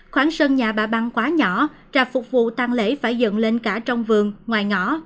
khoảng sân nhà bà băng quá nhỏ trà phục vụ tăng lễ phải dựng lên cả trong vườn ngoài ngõ